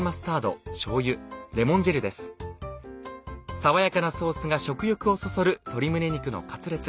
爽やかなソースが食欲をそそる「鶏胸肉のカツレツ」。